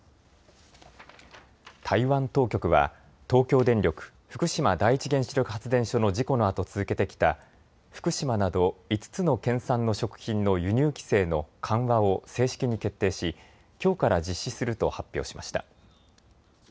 台湾当局は東京電力福島第一原子力発電所の事故のあと続けてきた福島など５つの県産の食品の輸入規制の緩和を正式に決定しきょうから実施すると発表しました。